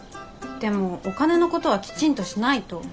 でもお金のことはきちんとしないと。